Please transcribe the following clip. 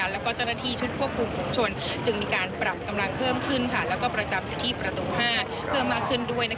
และเจ้าหน้าที่ชุดพวกกรุงคุมชนจึงมีการปรับกำลังเพิ่มขึ้นและประจำที่ประตู๕เพิ่มมาขึ้นด้วย